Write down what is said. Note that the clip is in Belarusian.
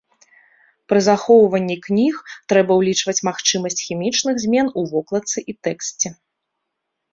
Пры захоўванні кніг трэба ўлічваць магчымасць хімічных змен у вокладцы і тэксце.